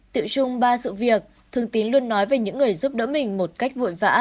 tiệu trung ba sự việc thương tín luôn nói về những người giúp đỡ mình một cách vội vã